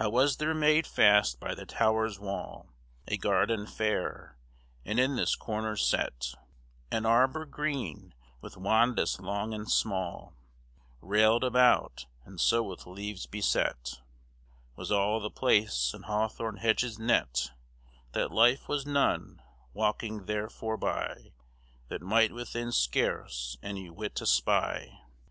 Now was there made fast by the tower's wall, A garden faire, and in the corners set An arbour green with wandis long and small Railed about, and so with leaves beset Was all the place and hawthorn hedges knet, That lyf* was none, walkyng there forbye, That might within scarce any wight espye.